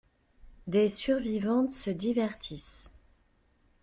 Des survivantes se divertissent.